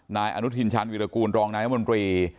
นายอนุทินชาญวิรากูลรองนายรัฐมนตรี